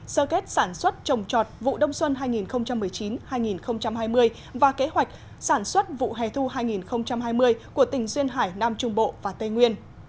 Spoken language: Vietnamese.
sơ kết sản xuất trồng trọt vụ đông xuân hai nghìn một mươi chín hai nghìn hai mươi và kế hoạch sản xuất vụ hè thu hai nghìn hai mươi của tỉnh duyên hải nam trung bộ và tây nguyên